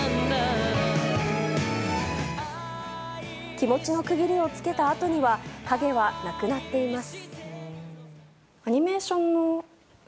気持ちの区切りを付けたあとには影はなくなっています。